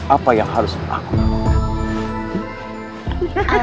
apa yang harus aku lakukan